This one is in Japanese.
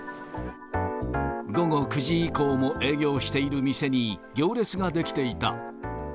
午後９時以降も営業している店に行列が出来ていた。